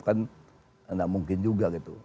kan tidak mungkin juga gitu